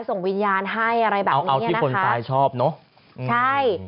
ส่งวิญญาณให้อะไรแบบนี้เอาที่คนตายชอบเนอะใช่